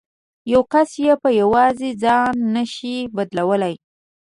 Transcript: یو کس یې په یوازې ځان نه شي بدلولای.